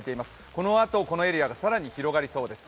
このあと、このエリアが更に広がりそうです。